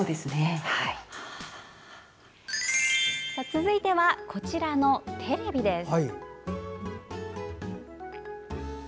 続いてはこちらのテレビです。